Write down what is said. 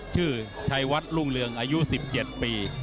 ชื่อชัยวัดรุ่งเรืองอายุ๑๗ปี